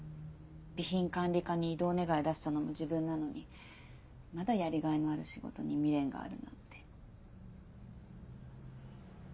備品管理課に異動願出したのも自分なのにまだやりがいのある仕事に未練があるなんて。